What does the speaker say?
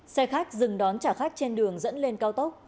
xe khác dừng đón trả khách trên đường dẫn lên cao tốc